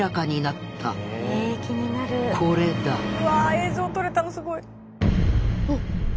これだうわ映像撮れたのすごい！